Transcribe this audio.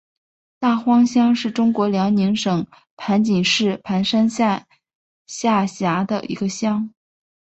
大荒乡是中国辽宁省盘锦市盘山县下辖的一个乡。